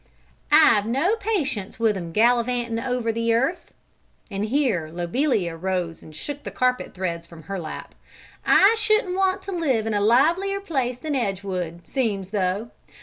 "I've no patience with 'em, gallivantin' over the earth," and here Lobelia rose and shook the carpet threads from her lap. "I shouldn't want to live in a livelier place than Edgewood, seem's though!